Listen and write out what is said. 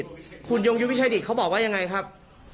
ยุทธวิชัยดิตคุณยุทธวิชัยดิตเขาบอกว่ายังไงครับ